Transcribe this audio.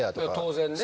当然ね。